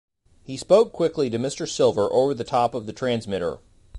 He spoke quickly to Mr. Silver over the top of the transmitter.